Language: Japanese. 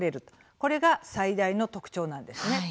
これが、最大の特徴なんですね。